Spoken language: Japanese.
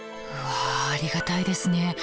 うわありがたいですね。